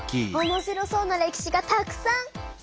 おもしろそうな歴史がたくさん！